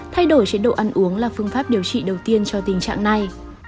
thay đổi chế độ ăn uống là phương pháp điều trị đầu tiên cho tình trạng này